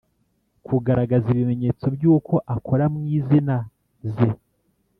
kugaragaza ibimenyetso by uko akora mu izina ze